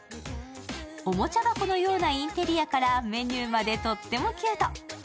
おもちゃ箱のようなインテリアからメニューまでとってもキュート。